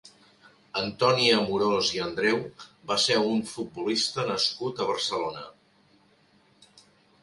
Antoni Amorós i Andreu va ser un futbolista nascut a Barcelona.